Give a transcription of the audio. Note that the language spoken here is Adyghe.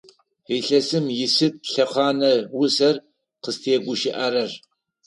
Илъэсым исыд лъэхъана усэр къызтегущыӏэрэр?